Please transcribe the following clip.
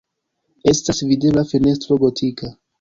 Estas videbla fenestro gotika.